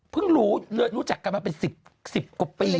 เพิ่งรู้เริ่มจัดการมาเป็น๑๐กว่าปี